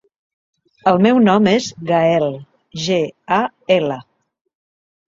El meu nom és Gaël: ge, a, ela.